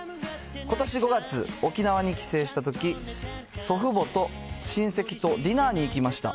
ことし５月、沖縄に帰省したとき、祖父母と親戚とディナーに行きました。